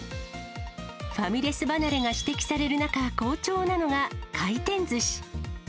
ファミレス離れが指摘される中、好調なのが回転ずし。